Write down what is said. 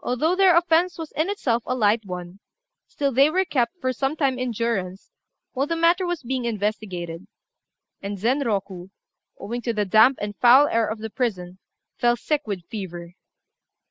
Although their offence was in itself a light one, still they were kept for some time in durance while the matter was being investigated; and Zenroku, owing to the damp and foul air of the prison, fell sick with fever.